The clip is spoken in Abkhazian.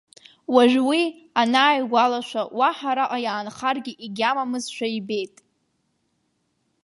Уажә уи анааигәалашәа, уаҳа араҟа иаанхаргьы егьамамызшәа ибеит.